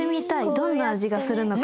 どんな味がするのか。